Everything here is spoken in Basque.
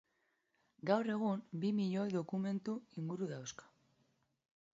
Gaur egun bi miloi dokumentu inguru dauzka.